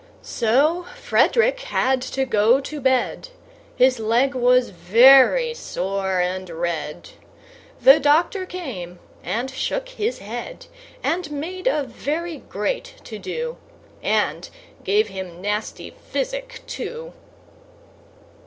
So Frederick had to go to bed: His leg was very sore and red! The Doctor came, and shook his head, And made a very great to do, And gave him nasty physic too.